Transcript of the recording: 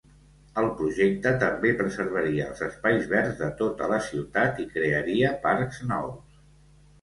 El projecte també preservaria els espais verds de tota la ciutat i crearia parcs nous.